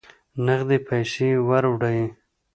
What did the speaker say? نغدي پیسې وروړي.